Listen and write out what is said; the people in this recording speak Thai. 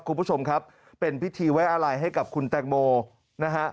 คุณผู้ชมครับเป็นพิธีไว้อะไรให้กับคุณแตงโมนะฮะ